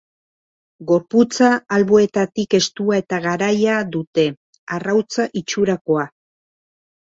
Gorputza alboetatik estua eta garaia dute, arrautza itxurakoa.